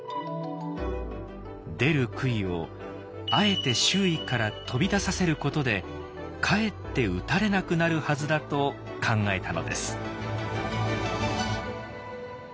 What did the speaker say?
出る杭をあえて周囲から飛び出させることでかえって打たれなくなるはずだと考えたのです。